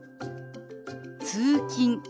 「通勤」。